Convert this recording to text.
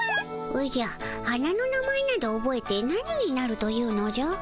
おじゃ花の名前などおぼえて何になるというのじゃ？